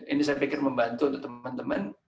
ini saya pikir membantu untuk teman teman